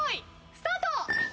スタート。